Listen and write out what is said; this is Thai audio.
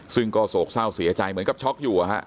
ซึ่งก็โศกเศร้าเสียใจเหมือนกับช็อกอยู่